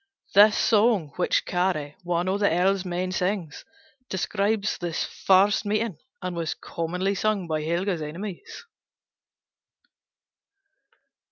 This song, which Kaare, one of the Earl's men, sings, describes this first meeting and was commonly sung by Helga's enemies.